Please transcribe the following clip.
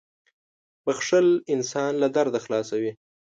• بښل انسان له درده خلاصوي.